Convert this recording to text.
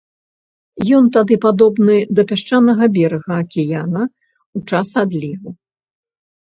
Ён тады падобны да пясчанага берага акіяна ў часе адліву.